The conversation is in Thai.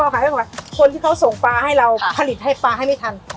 ขายให้หมดคนที่เขาส่งปลาให้เราผลิตให้ปลาให้ไม่ทัน